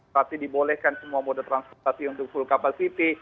pasti dibolehkan semua mode transportasi untuk full capacity